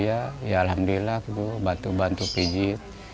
alhamdulillah bantu bantu pijit